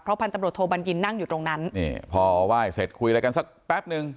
พันตำรวจโทบัญญินนั่งอยู่ตรงนั้นนี่พอไหว้เสร็จคุยอะไรกันสักแป๊บนึง